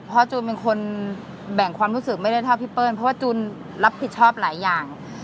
เพราะจูนเป็นคนแบ่งความรู้สึกไม่ได้เท่าพี่เปิ้ลเพราะว่าจูนรับผิดชอบหลายอย่าง